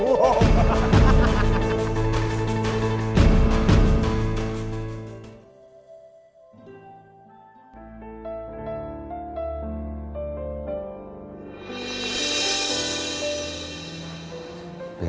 cium aroma kematianmu